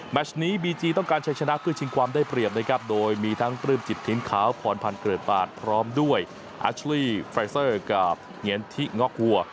ชนี้บีจีต้องการใช้ชนะเพื่อชิงความได้เปรียบนะครับโดยมีทั้งปลื้มจิตถิ่นขาวพรพันธ์เกิดปาดพร้อมด้วยอาชรี่ไฟเซอร์กับเหงียนที่ง็อกวัว